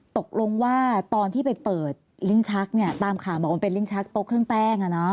ตกลงว่าตอนที่ไปเปิดลิ้งชักเนี่ยตามข่าวมาวนเป็นลิ้งชักตกเครื่องแป้งอ่ะเนาะ